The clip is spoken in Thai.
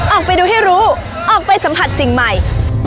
ออกไปดูให้รู้ออกไปสัมผัสสิ่งใหม่